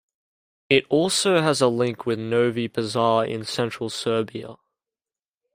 It also has a link with Novi Pazar in Central Serbia.